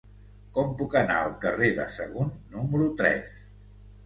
Com puc anar al carrer de Sagunt número tres?